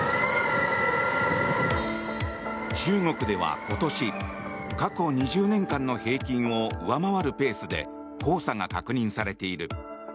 中国では今年過去２０年間の平均を上回るペースで黄砂が確認されている。